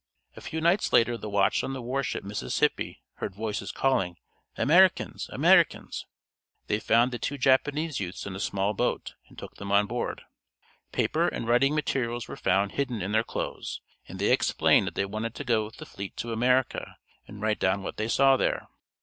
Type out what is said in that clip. A few nights later the watch on the war ship Mississippi heard voices calling, "Americans, Americans!" They found the two Japanese youths in a small boat, and took them on board. Paper and writing materials were found hidden in their clothes, and they explained that they wanted to go with the fleet to America, and write down what they saw there.